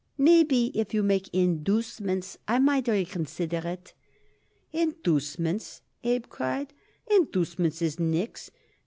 Maybe if you make inducements I might reconsider it." "Inducements!" Abe cried. "Inducements is nix.